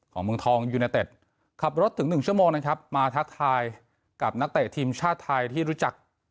เมืองทองยูเนเต็ดขับรถถึง๑ชั่วโมงนะครับมาทักทายกับนักเตะทีมชาติไทยที่รู้จัก